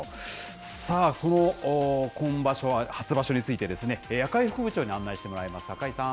さあ、その今場所、初場所について赤井副部長に案内してもらいます。